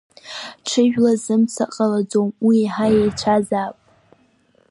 Ҽыжәла зымца ҟалаӡом, уи еиҳа иеицәазаап.